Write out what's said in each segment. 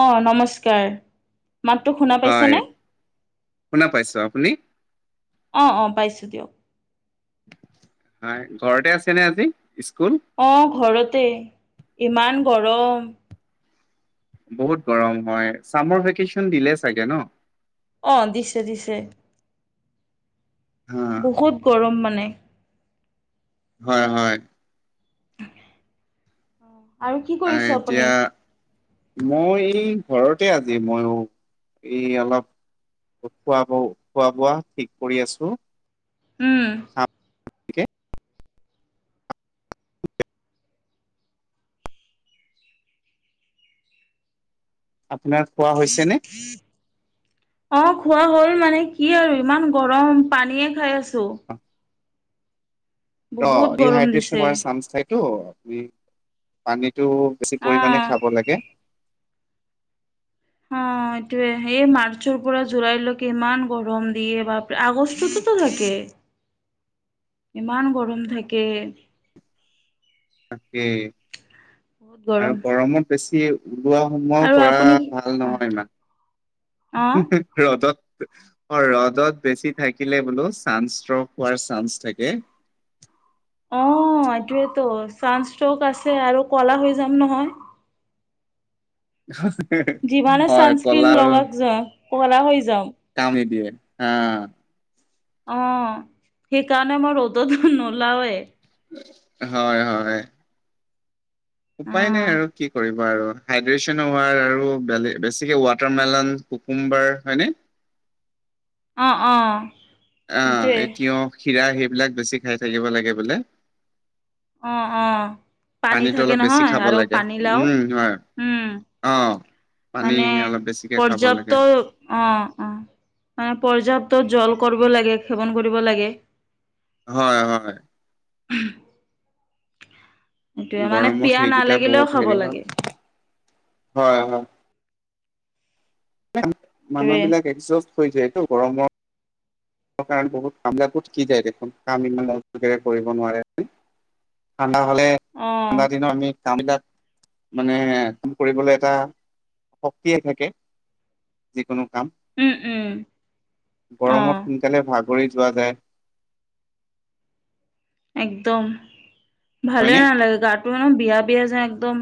অ', নমস্কাৰ। মাতটো শুনা হয় পাইছেনে? শুনা পাইছো আপুনি অ' অ' পাইছোঁ দিয়ক। হয়, ঘৰতে আছে নে আজি স্কুল? অ', ঘৰতে ইমান গৰম। বহুত গৰম হয়, চামৰ ভেকেচন দিলে চাগে ন? অ', দিছে দিছে। হা। বহুত গৰম মানে। হয়, হয়। আৰু কি আহ কৰিছে আপুনি? এতিয়া মই এই ঘৰতে আজি মইও এই অলপ খোৱা বৌ খোৱা বোৱা ঠিক কৰি আছো। উম। খামকে [inaudible] আপোনাৰ খোৱা হৈছেনে? অ', খোৱা হ'ল মানে কি আৰু ইমান গৰম পানীয়ে খাই আছো। [inaudible] বহুত অ', গৰম ডিহাইড্ৰেচন দিছে। হোৱাৰ চান্স থাকেতো আপুনি পানীটো বেছি পৰিমাণে অ', খাব লাগে। [inaudible] এইটোৱে এই মাৰ্চৰ পৰা জুলাইলৈকে ইমান গৰম দিয়ে বাপৰে আগষ্টতোতো থাকে। [inaudible] ইমান গৰম থাকে। তাকেই বহুত গৰম আৰু গৰমত বেছি ওলোৱা সোমোৱাও আৰু কৰা আপুনি ভাল অ', নহয় ইমান। অ'। ৰ'দত অ', ৰ'দত বেছি থাকিলে বোলো চান্স ষ্ট্ৰক হোৱাৰ চান্স থাকে। অ', এইটোৱেতো চান্স ষ্ট্ৰক আছে আৰু ক'লা হৈ যাম নহয়। যিমানে হয়, চানস্ক্ৰীন কলা আৰু লগাক যাওঁ ক'লা হৈ যাম। কাম নিদিয়ে অ'। অ', সেইকাৰণে মই ৰ'দত নোলাওয়ে। হয়, হয়। উপায় নাই অ', আৰু কি কৰিব বাৰু হাইড্ৰেচন হোৱাৰ আৰু বেলেগ বেছিকে ৱাটাৰ মেলন কুকুম্বাৰ হয়নে? অ', অ'। আহ সেইটোৱে এ তিয়হ কীৰা সেইবিলাক বেছি খাই থাকিব লাগে বোলে। অ', অ'। পানী পানীটো থাকে অলপ বেছি নহয় খাব আৰু লাগে পানী লাও উম হয় উম। অ। পানী মানে অলপ বেছিকে খাব পৰ্যাপ্ত লাগে অ', অ', মানে পৰ্যাপ্ত জল কৰিব লাগে সেৱন কৰিব লাগে। হয়, হয়। সেইটোৱে মানে গৰমত পিয়াহ সেইকেইটা নালাগিলেও বহুত খাব হেৰি লাগে, হয় হয় হয়। মানুহ সেইটোৱে বিলাক একজষ্ট হৈ যায় টো গৰমত। কাৰ বহুত কামুত কি যায় দেখোন কাম ইমান কৰিব নোৱাৰে। আন্ধাৰ হ'লে অ', ঠাণ্ডা দিনত আমি। কামবিলাক মানে কাম কৰিবলৈ এটা শক্তিয়ে থাকে। যিকোনো কাম উম, উম। অ গৰমত সোনকালে ভাগৰি যোৱা যায়। একদম ভালে হয়নে? নালাগে গাটো ন বিয়া বিয়া যে একদম।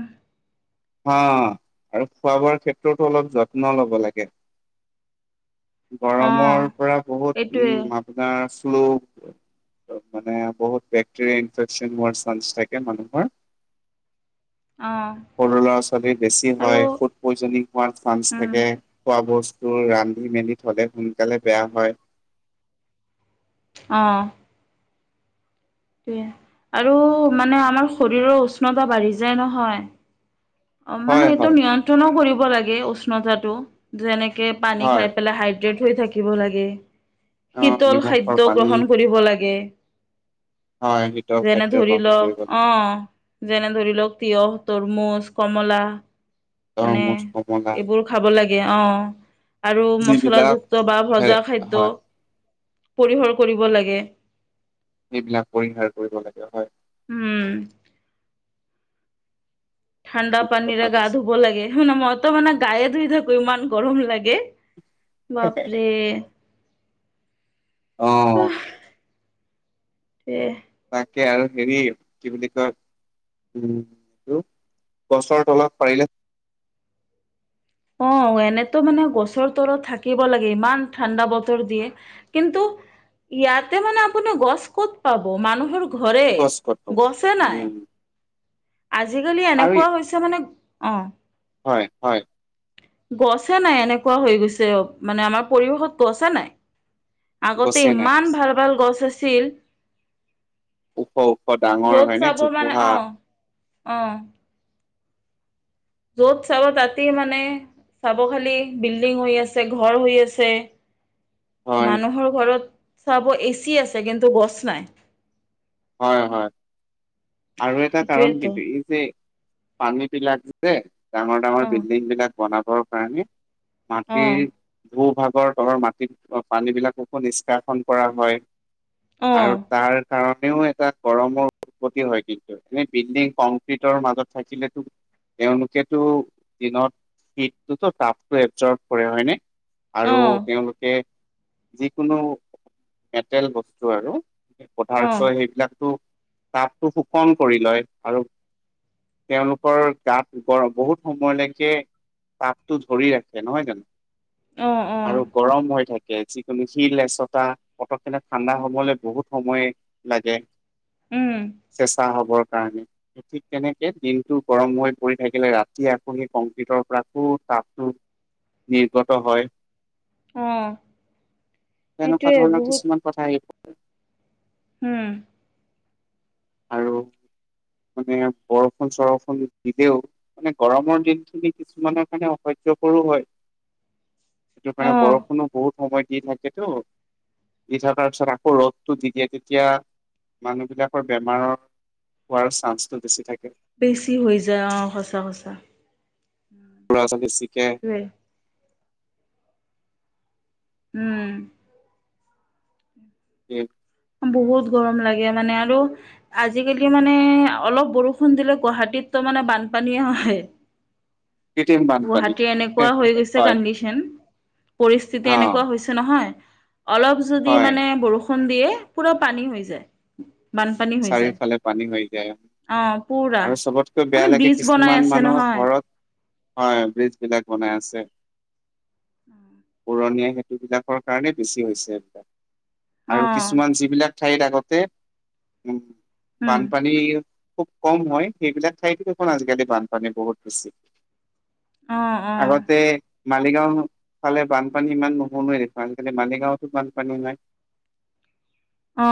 হা আৰু খোৱা বোৱাৰ ক্ষেত্ৰতো অলপ যত্ন ল'ব লাগে। অ গৰমৰ পৰা বহুত এইটোৱে উম আপোনাৰ শ্লো। ত মানে বহুত বেকটেৰিয়া ইনফেকচন হোৱাৰ চান্ঞ্চ থাকে মানুহৰ। অঁ। সৰু ল'ৰা-ছোৱালী বেছি হয় ফুড পইজনিং হোৱাৰ চান্স উম থাকে। খোৱা বস্তু ৰান্ধি মেলি থলে সোনকালে বেয়া হয়। অঁ। বে আৰু মানে আমাৰ শৰীৰৰ উষ্ণতা বাঢ়ি যায় নহয়। অ মানে হয় এইটো হয় নিয়ন্ত্ৰণো কৰিব লাগে উষ্ণতাটো যেনেকে পানী হয় খাই পেলাই হাই। ড্ৰেট হৈ থাকিব লাগে অ' শীতল নিমখৰ খাদ্য পানী গ্ৰহণ কৰিব লাগে। হয় শীতল যেনে খাদ্য ধৰি গ্ৰহণ কৰিব লওঁক অ। লাগে। যেনে ধৰি লওঁক তিয়হ, তৰমুজ, কমলা। মানে তৰমুজ, কমলা এইবোৰ খাব লাগে অ। আৰু যিবিলাক মচলাযুক্ত বা ভে ভজা খাদ্য। হয় পৰিহৰ কৰিব লাগে। সেইবিলাক পৰিহাৰ কৰিব লাগে হয়। উম। ঠাণ্ডা ঠিক কথা পানীৰে গা কৈছে। ধুব লাগে হ ন ম। ত মানে গায়ে ধুই থাকো ইমান গৰম লাগে বাপৰে। অ'। এ,। তাকে আৰু হেৰি! কি বুলি কয়? উম, হু গছৰ তলত পাৰিলে? অ', এনেতো মানে গছৰ তলত থাকিব লাগে, ইমান ঠাণ্ডা বতৰ দিয়ে। কিন্তু ইয়াতে মানে আপুনি গছ ক'ত পাব। মানুহৰ ঘৰে গছ ক'ত পাব গছে নাই? উম আজিকালি আৰু এনেকুৱা হৈছে মানে অ'। হয়, হয়! গছে নাই এনেকুৱা হৈ গৈছে। অ', মানে আমাৰ পৰিৱেশত গছে নাই। আগতে গছে নাই ইমান ভাল ভাল গছ আছিল। ওখ ওখ ডাঙৰ য'ত হয়নে চাব মানে জোপোহা অ অ। যত চাব তাতে মানে? চাব খালি বিল্ডিং হৈ আছে ঘৰ হৈ আছে? হয় মানুহৰ ঘৰত চাব এচি আছে। কিন্তু, গছ নাই? হয়, হয়! আৰু এটা কাৰণ সেইটোৱেতো কিন্তু এই যে পানী বিলাক যে ডাঙৰ ডাঙৰ অ বিল্ডিং বিলাক বনাবৰ কাৰণে অ মাটিৰ ভূ -ভাগৰ তলৰ মাটিত পানীবিলাককো নিষ্কাশন কৰা হয়। অ আৰু তাৰ কাৰণেও এটা গৰমৰ উৎপত্তি হয়? কিন্তু এনেই বিল্ডিং কংক্ৰিটৰ মাজত থাকিলে এওঁলোকে টো দিনত শীত তো টো তাপটো এবজ ব কৰে হয়নে? অ আৰু তেওঁলোকে যিকোনো মেটেল বস্তু আৰু? অ পদাৰ্থ সেইবিলাকো তাতটো শোষণ কৰি লয়! আৰু? তেওঁলোকৰ গাত ৰ বহুত সময়লৈকে তাপটো ধৰি ৰাখে? নহয় জানো! অ, ' অ'! আৰু গৰম হৈ থাকে! যিকোনো শিল এচতা পত কে ঠাণ্ডা হবলৈ বহুত সময় লাগে! উম! চেঁচা হবৰ কাৰণে? ঠিক তেনেকে দিনটো গৰম হৈ পৰি থাকিলে ৰাতি আপুনি কংক্ৰিটৰ পৰা তাপটো নিৰ্গত হয়! অ তেনেকুৱা সেইটোৱে ধৰণৰ বহুত কিছুমান কথা এই উম! আৰু মানে বৰষুণ চৰষুণ দিলেও! মানে গৰমৰ দিন খিনি কিছুমানৰ কাৰণে অসহ্য কৰো হয়! সেইটো অ কাৰণে বৰষুণো বহুত সময় দি থাকেেতো? দি থকাৰ পিছত আকৌ ৰ'দটো দি দিয়ে তেতিয়া মানুহ বিলাকৰ বেমাৰৰ হোৱাৰ চান্সটো বেছি থাকে। বেছি হৈ যায়! অ', সঁচা! সঁচা! [unintelligible] উম! উম! [inaudible] বহুত গৰম লাগে মানে আৰু? আজিকালি মানে অলপ বৰষুণ দিলে গুৱাহাটীত তো মানে বানপানীয়ে হয়। কৃত্ৰিম বানপানী গুৱাহাটীৰ এনেকুৱা হৈ গৈছে হয় কণ্ডিশন! পৰিস্থিতি অ', এনেকুৱা হৈছে নহয়! অলপ যদি হয় মানে বৰষুণ দিয়ে পুৰা পানী হৈ যায়। বানপানী হৈ যায় চাৰিফালে পানী হৈ যায়। অ পুৰা আৰু চবতকৈ মানে বেয়া লাগে, ব্ৰিজ বনাই কিছুমান আছে মানুহৰ নহয় ঘৰত হয় ব্ৰিজ বিলাক বনাই আছে। অম পুৰণীয়া সেইেতু বিলাকৰ কাৰণে বেছি হৈছে এইবিলাক অ আৰু কিছুমান যিবিলাক ঠাইত আগতে উম বান উম বান পানী খুব কম হয় সেইবিলাক ঠাইতো দেখন আজিকালি বানপানী বহুত বেছি হৈছে। অ অ আগতে মালিগাঁও ফালে বানপানী ইমান নহৈএ দেখো আনালি মালিগাঁৱতো বানপানী হয়। অ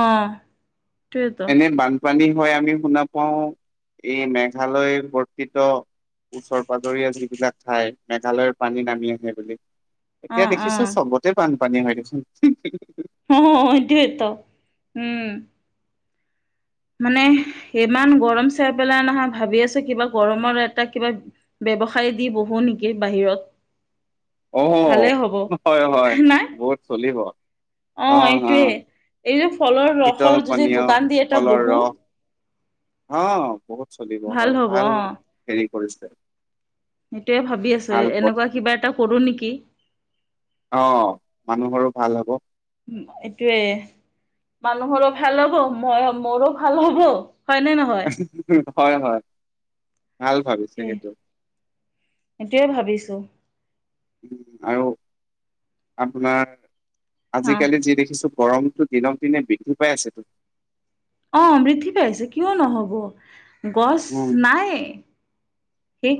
সেইটোৱেতো এনে বানপানী হয় আমি শুনা পাও এই মেঘালয় বৰ্তিত ওচৰ পাজৰীয়া যিবিলাক ঠাই মেঘালয়ৰ পানী নামি আহে বুলি। অ এতিয়া অ দেখিছো চবতে বানপানী হয় দেখোন অ সেইটোৱে ত উম। মানে, ইমান গৰম চাই পেলাই নহয় ভাবি আছো কিবা গৰমৰ এটা কিবা- ব্যৱসায় দি বহো নেকি বাহিৰত। অঁ ভালেই হ'ব হয় হয়, বহুত চলিব। অ অঁ অ এইটোৱে এইযে ফলৰ শীতল ৰসৰ যে পানীয় দোকান দি এটা বহু- অঁ' বহুত চলিব হয়, হ'ব ভাল অ হেৰি কৰিছে। সেইটোয়ে ভাবি আছো। ভাল পথ এনেকুৱা কিবা এটা কৰো নেকি? অঁ' মানুহৰো ভাল হ'ব। উম' এইটোৱে। মানুহৰো ভাল হ'ব, মই মোৰো ভাল হ'ব। হয় নে নহয়? হয় হয়, ভাল ভাবিছে। টোৱে সেইটো সেটোয়ে ভাবিছো। উম' আৰু আপোনাৰ অ আজিকালি যি দেখিছো- গৰমটো দিনক দিনে বৃদ্ধি পাই আছেটো। অঁ' বৃদ্ধি পাই আছে, কিয় নহ'ব? গছ উম, নাইয়ে।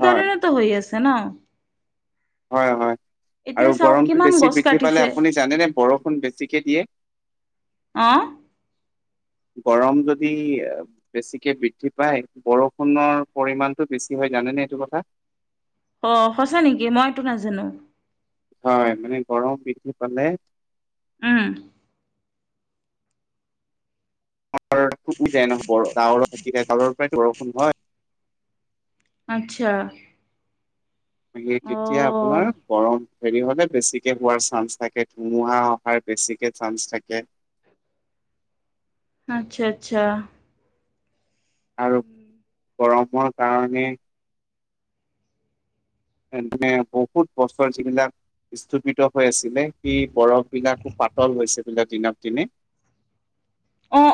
হয়, হৈ আছে ন। হয় হয়, এতিয়া আৰু চাওক গৰমটো কিমান বেছি গছ বৃদ্ধি পালে কাটিছে আপুনি জানেনে? বৰষুণ বেছিকে দিয়ে। অঁঅ' গৰম যদি- বেছিকে বৃদ্ধি পায়, বৰষুণৰ পৰিমাণটো বেছি হয় জানেনে এইটো কথা? অ' সঁচা নেকি? মইতো নাজানো। হয়, মানে গৰম পৃদ্ধি পালে- উম' [unintelligible] ডাৱৰৰ পৰাই বৰষুণ হয়। আৎচ্ছা। সেই তেতিয়া আপোনাৰ গৰম- হেৰি হলে বেছিকে হোৱাৰ চান্স থাকে, ধুমুহা অহাৰ বেছিকে চান্স থাকে। আৎচ্ছা আৎচ্ছা। আৰু গৰমৰ কাৰণে- মানে বহুত বছৰ যিবিলাক- স্থপিত হৈ আছিলে, সেই বৰফ বিলাকো পাতল হৈছে বোলে দিনক দিনে।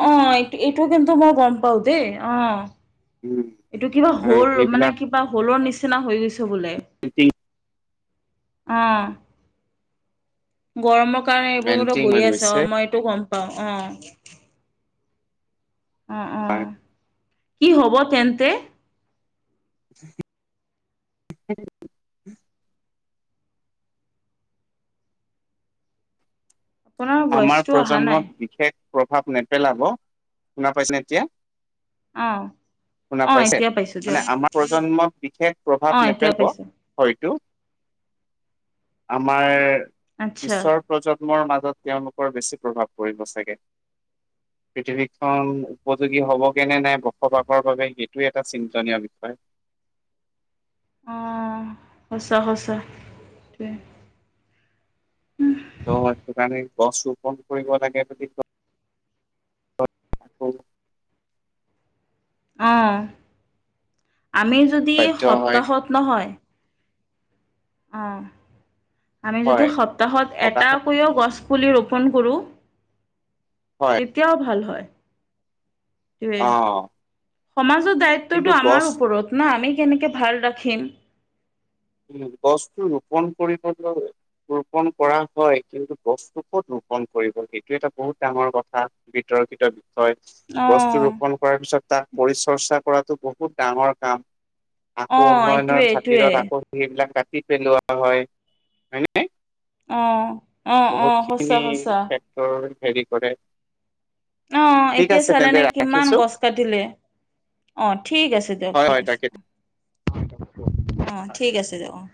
অঁ' এইটো কিন্তু মই গম পওঁ দেই, অঁ'। উম এইটো কিবা আৰু হল মানে, সেইবিলাক কিবা হলৰ নিচিনা হৈ গৈছে বোলে। মেল্টিং অঁ' গৰমক- কাৰণে এইবোৰ বতৰ মেল্টিং হৈ গৈ আছে, গৈছে অ' মই এইটো গম পাওঁ অঁ'। অঁ অঁ, হয় কি হ'ব তেন্তে? [unintelligible] [unintelligible] আপোনাৰ আমাৰ ভইচটো অহা নাই প্ৰজন্মক বিশেষ প্ৰভাৱ নেপেলাব। শুনা পাইছে নে এতিয়া? অ শুনা অ পাইছে? এতিয়া পাইছো মানে দিয়ক আমাৰ প্ৰজন্মক বিশেষ প্ৰভাৱ অ এতিয়া নেপেলাব। পাইছো হয়তো, আমাৰ আচ্ছা পিছৰ প্ৰজন্মৰ মাজত- তেওঁলোকৰ বেছি প্ৰভাৱ পৰিব চাগে। পৃথিৱীখন উপযোগী হ'বগে নে নাই বসবাসৰ বাবে, সেইটো এটা চিন্তনীয় বিষয়। অঁ' সঁচা সঁচা সেইতোৱে। ত'সেইটোকাৰণে গছ ৰোপণ কৰিব লাগে বুলি কয় আকৌ। অঁ' আমি যদি বাধ্য হয় সপ্তাহত নহয়- অহ, আমি যদি হয় সপ্তাহত এটা সকাহত কৰিও গছ- পুলি ৰোপণ কৰোঁ, হয় তেতিয়াও ভাল হয়। টোৱে। অ সমাজত কিন্তু দায়িত্বটো গছ আমাৰ ওপৰত ন', আমি কেনেকে ভাল ৰাখিম। গছটো ৰোপণ কৰিবলৈ- ৰোপণ কৰা হয়। কিন্তু গছটো ক'ত ৰোপন কৰিব, সেইটো এটা বহুত ডাঙৰ কথা। বিতৰ্কিত বিষয়, গছটো অঁ ৰোপণ কৰাৰ পিছত তাক পৰিচৰ্চা কৰাটো বহুত ডাঙৰ কাম। আকৌ অঁ এইটোৱে উন্নয়নৰ এইটোৱে খাতিৰত আকৌ সেইবিলাক কাটি পেলোৱা হয়। হয়নে? অ', অ', অ', সঁচা সঁচা। ত', হেৰি কৰে অ', ঠিক এতিয়া আছে তেন্তে চালেনে কিমান ৰাখিছো গছ কাটিলে। অহ, ঠিক আছে দিয়ক, হয় ঠিক হয় আছে, তাকে অহ, অহ, ঠিক আছে দিয়ক, অহ।